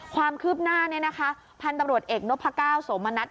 ความคืบหน้าพันธุ์ตำรวจเอกนพก้าวโสมณัติ